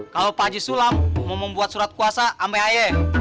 kalau pak haji sulam mau membuat surat kuasa sama ayah